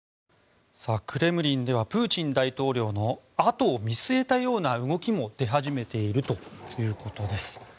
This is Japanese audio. クレムリンではプーチン大統領のあとを見据えたような動きも出始めているということです。